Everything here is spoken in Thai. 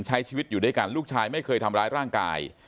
ใช้ชีวิตอยู่ด้วยกันลูกชายไม่เคยทำร้ายร่างกาย